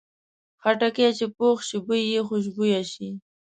خټکی چې پوخ شي، بوی یې خوشبویه شي.